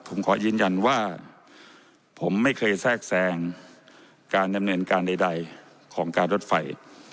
ผมขอยืนยันว่าผมไม่เคยแทรกแทรงการดำเนินการใดของการรถไฟ